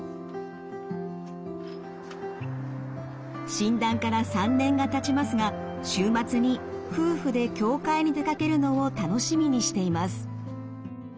診断から３年がたちますが週末に夫婦で教会に出かけるのを楽しみにしています。